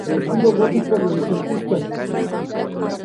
De estilo gótico renacentista.